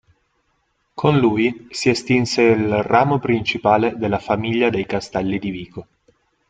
Con lui si estinse il ramo principale della famiglia dei Castelli di Vico.